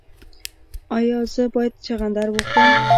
ایا زه باید چغندر وخورم؟